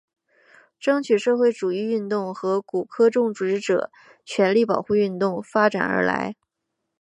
争取社会主义运动从古柯种植者权利保护运动发展而来。